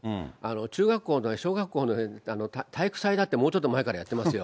中学校の、小学校の体育祭だってもうちょっと前からやってますよ。